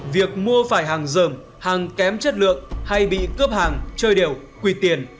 việc mua phải hàng dờm hàng kém chất lượng hay bị cướp hàng chơi đều quỳ tiền